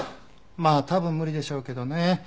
まあ多分無理でしょうけどね。